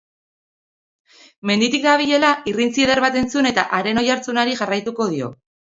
Menditik dabilela, irrintzi eder bat entzun eta haren oihartzunari jarraituko dio.